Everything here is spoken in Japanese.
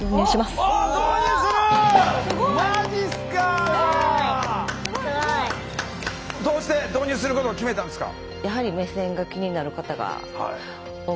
すごいすごい。どうして導入することを決めたんですか？